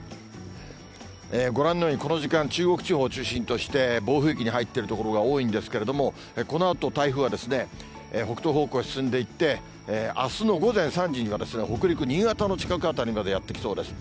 ご覧のように、この時間、中国地方を中心として、暴風域に入っている所が多いんですけれども、このあと台風は、北東方向へ進んでいって、あすの午前３時には、北陸、新潟の近く辺りまでやって来そうです。